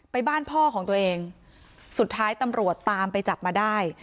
บ้านพ่อของตัวเองสุดท้ายตำรวจตามไปจับมาได้